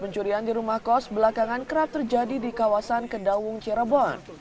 pencurian di rumah kos belakangan kerap terjadi di kawasan kedawung cirebon